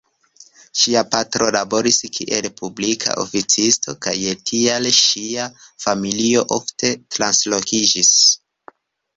Ŝia patro laboris kiel publika oficisto kaj tial ŝia familio ofte translokiĝis.